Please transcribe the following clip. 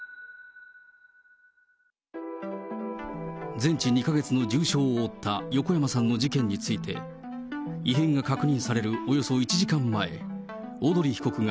全治２か月の重傷を負った横山さんの事件について、異変が確認されるおよそ１時間前、小鳥被告が